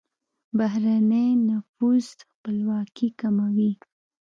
بهرنی نفوذ خپلواکي کموي.